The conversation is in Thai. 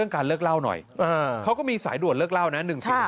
เขาก็มีสายด่วนเลิกเล่านะ